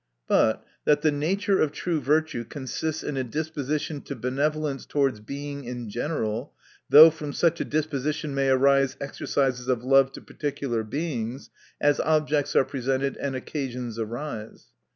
But, that the nature of true virtue consists in a disposition to benevolence towards Being in general. Though, from such a disposition may arise exercises of love to particular Beings, as objects are presented and occasions arise.